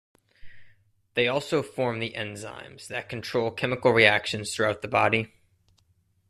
They also form the enzymes that control chemical reactions throughout the body.